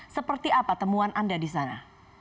seperti apa temuan anda di sana